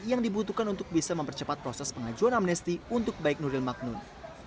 yang dibutuhkan untuk bisa mempercepat proses pengajuan amnesti untuk baik nuril magnun